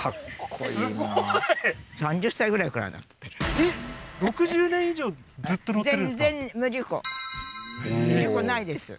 すごいえっ６０年以上ずっと乗ってるんですか？